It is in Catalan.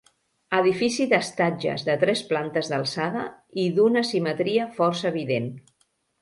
Edifici d'estatges de tres plantes d'alçada i d'una simetria força evident.